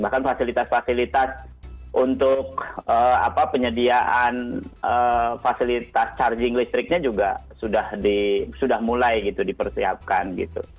bahkan fasilitas fasilitas untuk penyediaan fasilitas charging listriknya juga sudah mulai gitu dipersiapkan gitu